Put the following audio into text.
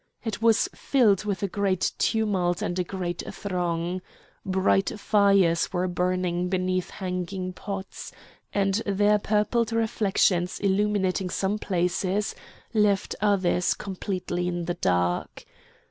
It was filled with a great tumult and a great throng. Bright fires were burning beneath hanging pots; and their purpled reflections illuminating some places left others completely in the dark.